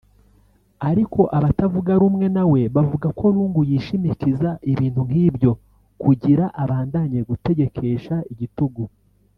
Ariko abatavuga rumwe na we bavuga ko Lungu yishimikiza ibintu nkivyo kugira abandanye gutegekesha igitugu